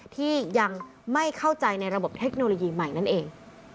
ที่ยังไม่เข้าใจในระบบเทคโนโลยีใหม่นั่นเอง